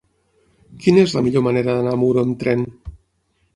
Quina és la millor manera d'anar a Muro amb tren?